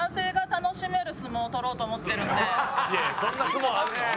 いやいやそんな相撲あるの？